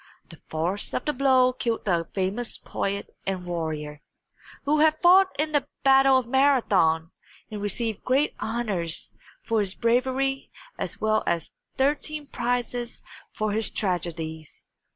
The force of the blow killed the famous poet and warrior, who had fought in the Battle of Marathon and received great honors for his bravery as well as thirteen prizes for his tragedies.